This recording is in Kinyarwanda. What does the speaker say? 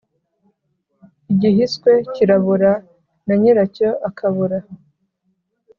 Igihiswe kirabora na nyiracyo akabora.